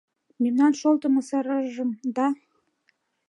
Мемнан шолтымо сыражым да